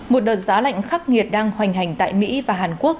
một đợt giá lạnh khắc nghiệt đang hoành hành tại mỹ và hàn quốc